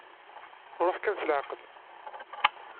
Ṛuḥ kan s leɛqel.